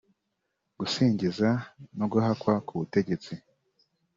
gusingiza no guhakwa ku butegetsi